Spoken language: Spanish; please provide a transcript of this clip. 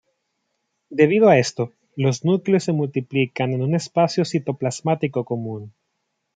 Debido a esto, los núcleos se multiplican en un espacio citoplasmático común.